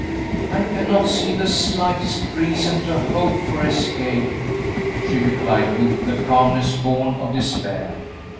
"I cannot see the slightest reason to hope for escape," she replied, with the calmness born of despair.